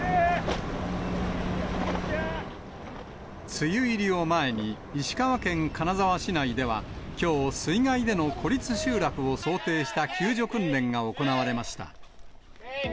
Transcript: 梅雨入りを前に、石川県金沢市内ではきょう、水害での孤立集落を想定した救助訓練が行われました。